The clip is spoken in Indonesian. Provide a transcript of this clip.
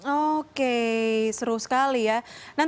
oke seru sekali ya